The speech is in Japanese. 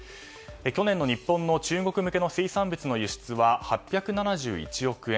去年の日本の中国向けの水産物の輸出は８７１億円。